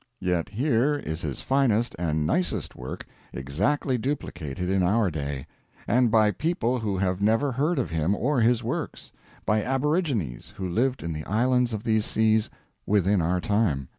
Yet here is his finest and nicest work exactly duplicated in our day; and by people who have never heard of him or his works: by aborigines who lived in the islands of these seas, within our time.